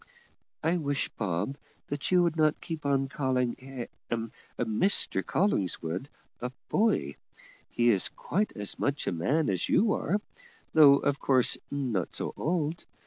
"I wish, Bob, you would not keep calling Ha , Mr Collingwood, a boy; he is quite as much a man as you are, though of course not so old.